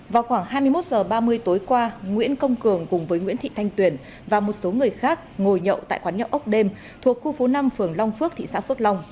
vào khoảng hai mươi một h ba mươi tối qua nguyễn công cường cùng với nguyễn thị thanh tuyền và một số người khác ngồi nhậu tại quán nhậu ốc đêm thuộc khu phố năm phường long phước thị xã phước long